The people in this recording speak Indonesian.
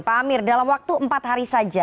pak amir dalam waktu empat hari saja